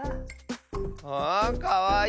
あかわいい！